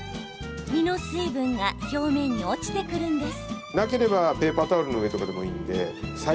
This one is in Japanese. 身の水分が表面に落ちてくるんです。